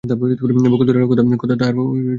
বকুলতলার কথা তাহার মনেই হয় নাই।